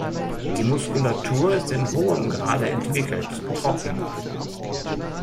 Die Muskulatur ist in hohem Grade entwickelt, trocken.